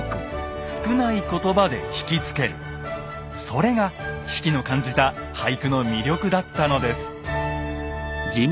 それが子規の感じた俳句の魅力だったのです。